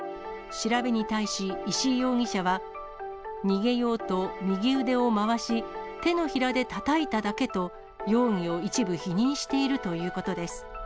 調べに対し、石井容疑者は、逃げようと右腕を回し、手のひらでたたいただけと、容疑を一部否認しているということです。